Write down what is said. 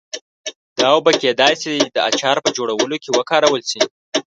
دا اوبه کېدای شي د اچار په جوړولو کې وکارول شي.